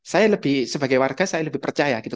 saya lebih sebagai warga saya lebih percaya gitu